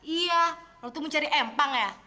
iya lo tuh mau cari empang ya